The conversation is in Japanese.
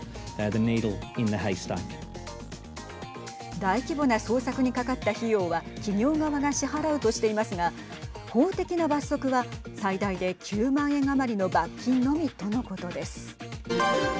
大規模な捜索にかかった費用は企業側が支払うとしていますが法的な罰則は最大で９万円余りの罰金のみということです。